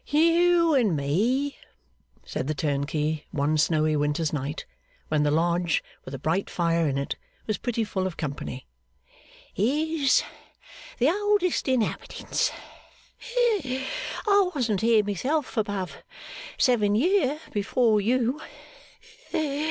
'You and me,' said the turnkey, one snowy winter's night when the lodge, with a bright fire in it, was pretty full of company, 'is the oldest inhabitants. I wasn't here myself above seven year before you.